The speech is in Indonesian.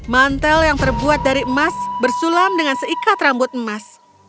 mantel yang terbuat dari emas bersulam dengan seikat rambut emas